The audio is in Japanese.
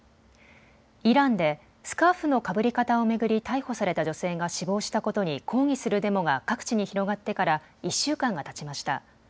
イランでスカーフのかぶり方を巡り逮捕された女性が死亡したことに抗議するデモが各地に広がってから１週間がたちました。